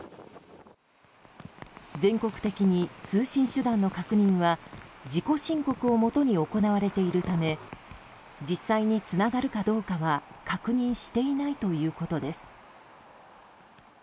全国的に通信手段の確認は自己申告をもとに行われているため実際につながるかどうかは確認していないということです。